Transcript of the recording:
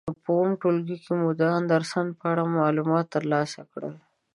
په اووم ټولګي کې مو د اندرسن په اړه معلومات تر لاسه کړل.